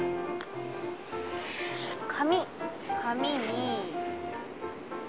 紙紙に。